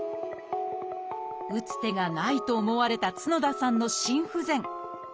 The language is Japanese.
打つ手がないと思われた角田さんの心不全。